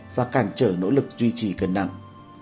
và cản trở nỗ lực duy trì cân nặng